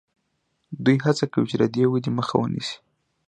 دوی هڅه کوي چې د دې ودې مخه ونیسي.